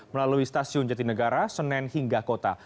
melalui stasiun jatinegara senen hingga kota